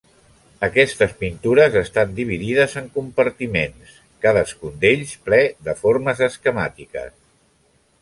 Aquestes pintures estan dividides en compartiments, cadascun d'ells ple de formes esquemàtiques.